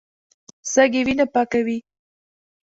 سږي وینه پاکوي.